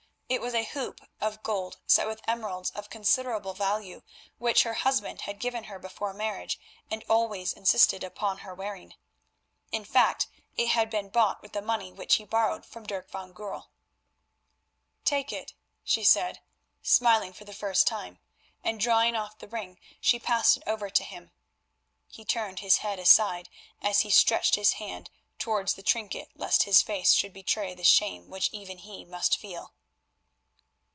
It was a hoop of gold set with emeralds of considerable value which her husband had given her before marriage and always insisted upon her wearing. In fact, it had been bought with the money which he borrowed from Dirk van Goorl. "Take it," she said, smiling for the first time, and drawing off the ring she passed it over to him. He turned his head aside as he stretched his hand towards the trinket lest his face should betray the shame which even he must feel.